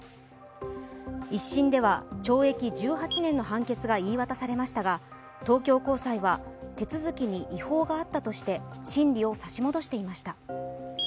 １審では懲役１８年の判決が言い渡されましたが東京高裁は、手続きに違法があったとして審理を差し戻していました。